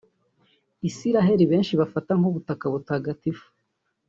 Isiraheli benshi bafata nk’ubutaka butagatifu